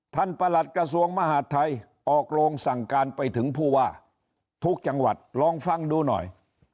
ประหลัดกระทรวงมหาดไทยออกโรงสั่งการไปถึงผู้ว่าทุกจังหวัดลองฟังดูหน่อย